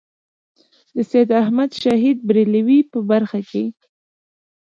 د سید احمد شهید برېلوي په برخه کې.